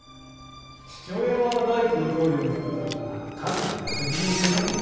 父親は大工の棟梁だったがかなりの遊び人でね。